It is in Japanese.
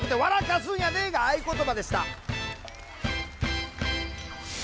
かすんやで」が合言葉でした。